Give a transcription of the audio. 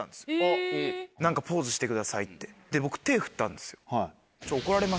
「何かポーズしてください」ってで僕手振ったんです。